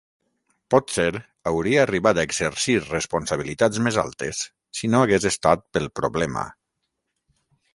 Potser hauria arribat a exercir responsabilitats més altes, si no hagués estat pel problema.